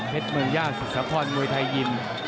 เพชรเมืองย่าศุษภพรมวยไทยยิน